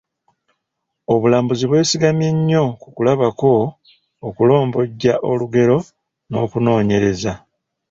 Obulambuzi bwesigamye nnyo ku kulabako, okulombojja olugero n’okunoonyereza.